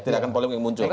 tidak akan polemik muncul